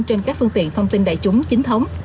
trên các phương tiện thông tin đại chúng chính thống